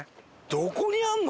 どこにあるの？